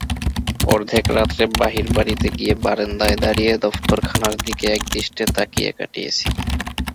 অর্ধেক রাত্রে বাহির-বাড়িতে গিয়ে বারান্দায় দাঁড়িয়ে দফতরখানার দিকে একদৃষ্টে তাকিয়ে কাটিয়েছি।